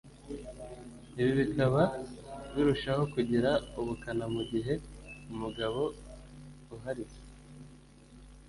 ibi bikaba birushaho kugira ubukana mu gihe umugabo uharitse